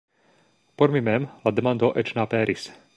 Por mi mem la demando eĉ ne aperis.